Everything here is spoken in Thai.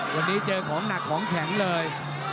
วันนี้เจอของหนักของแข็งเลย